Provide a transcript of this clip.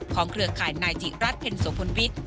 เครือข่ายนายจิรัฐเพ็ญโสพลวิทย์